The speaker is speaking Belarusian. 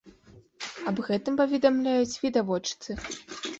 Аб гэтым паведамляюць відавочцы.